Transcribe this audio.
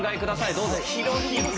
どうぞ。